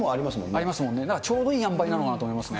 ありますもんね、だからちょうどいい塩梅なのかなと思いますね。